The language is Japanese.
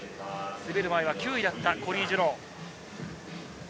滑る前は９位だったコリー・ジュノー。